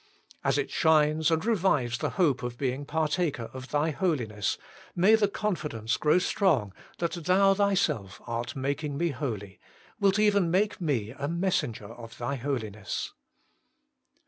As it shines and revives the hope of being partaker of Thy Holiness, may the confidence grow strong that Thou Thyself art making me holy, wilt even make me a messenger of Thy Holiness.